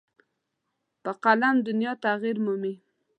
په قلم دنیا تغیر مومي.